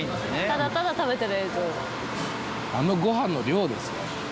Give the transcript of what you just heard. ただただ食べてる映像あのご飯の量ですよ